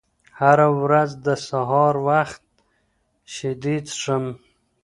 زه هره ورځ د سهار وخت شیدې څښم.